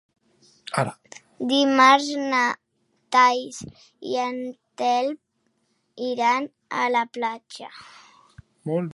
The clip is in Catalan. Dimarts na Thaís i en Telm iran a la platja.